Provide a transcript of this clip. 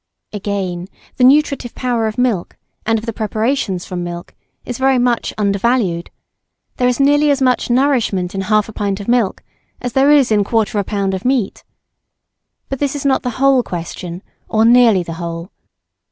Again, the nutritive power of milk and of the preparations from milk, is very much undervalued; there is nearly as much nourishment in half a pint of milk as there is in a quarter of a lb. of meat. But this is not the whole question or nearly the whole.